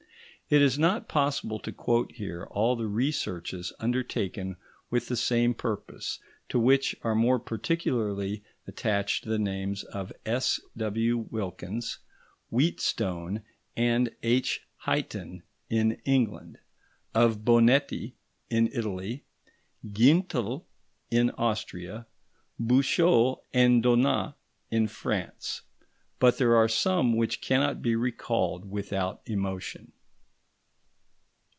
It is not possible to quote here all the researches undertaken with the same purpose, to which are more particularly attached the names of S.W. Wilkins, Wheatstone, and H. Highton, in England; of Bonetti in Italy, Gintl in Austria, Bouchot and Donat in France; but there are some which cannot be recalled without emotion.